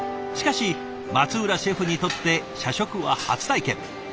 しかし松浦シェフにとって社食は初体験。